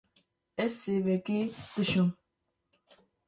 Ez sêvekê dişom.